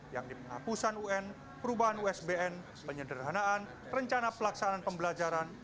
yakni penghapusan un perubahan usbn penyederhanaan rencana pelaksanaan pembelajaran